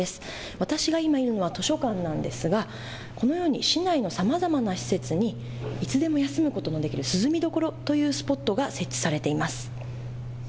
私が今いるのは図書館なんですがこのように市内のさまざまな施設にいつでも休むことのできる涼み処というスポットが設置されています。